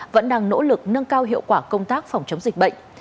vẫn đang nỗ lực nâng cao hiệu quả công tác phòng chống dịch bệnh